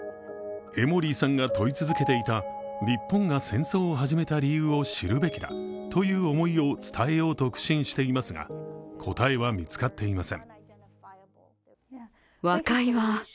エモリーさんが問い続けてきた日本が戦争を始めてきた理由を知るべきだという思いを伝えようと苦心していますが答えは見つかっていません。